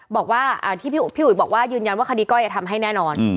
บอกว่าที่พี่อุ๋ยบอกว่ายืนยันว่าคดีก้อยจะทำให้แน่นอน